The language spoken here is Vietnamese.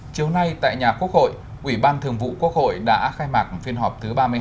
chiều nay tại nhà quốc hội ủy ban thường vụ quốc hội đã khai mạc phiên họp thứ ba mươi hai